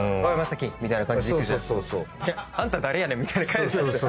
あんた誰やねんみたいな返すんですよ